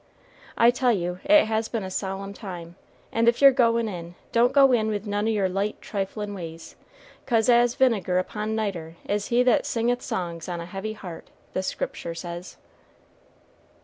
I tell you it has been a solemn time; and if you're goin' in, don't go in with none o' your light triflin' ways, 'cause 'as vinegar upon nitre is he that singeth songs on a heavy heart,' the Scriptur' says."